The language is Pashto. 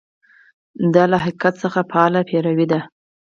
دا له حقیقت څخه فعاله پیروي ده.